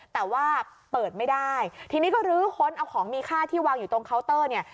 แต่ว่าเปิดไม่ได้ทีนี้ก็ลื้อค้นเอาของมีค่าที่วางอยู่ตรงเคาน์เตอร์เนี่ย